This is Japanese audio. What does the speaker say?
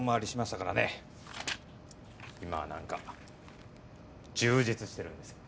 今はなんか充実してるんですよ。